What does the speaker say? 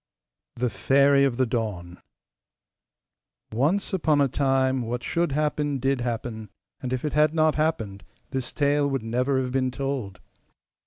THE FAIRY OF THE DAWN Once upon a time what should happen DID happen; and if it had not happened this tale would never have been told.